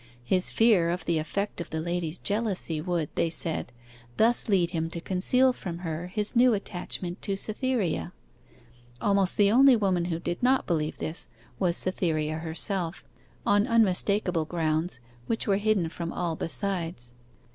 His fear of the effect of the lady's jealousy would, they said, thus lead him to conceal from her his new attachment to Cytherea. Almost the only woman who did not believe this was Cytherea herself, on unmistakable grounds, which were hidden from all besides.